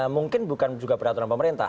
mungkin bukan juga peraturan pemerintah